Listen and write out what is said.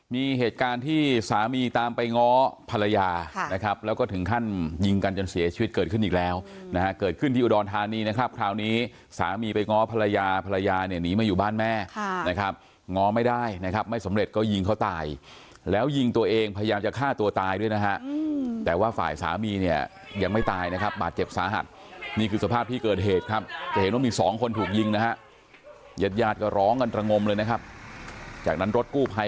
มีเหตุการณ์ที่สามีตามไปง้อภรรยานะครับแล้วก็ถึงขั้นยิงกันจนเสียชีวิตเกิดขึ้นอีกแล้วนะฮะเกิดขึ้นที่อุดรธานีนะครับคราวนี้สามีไปง้อภรรยาภรรยาเนี่ยหนีมาอยู่บ้านแม่นะครับง้อไม่ได้นะครับไม่สำเร็จก็ยิงเขาตายแล้วยิงตัวเองพยายามจะฆ่าตัวตายด้วยนะฮะแต่ว่าฝ่ายสามีเนี่ยยังไม่ตายนะครั